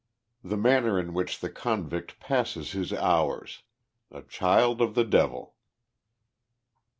THE MANNER IN WHICH THE CONVICT PASSES HIS HOURS. —* k A CHILD OF THE DEVIL."